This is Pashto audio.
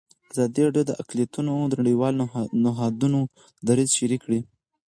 ازادي راډیو د اقلیتونه د نړیوالو نهادونو دریځ شریک کړی.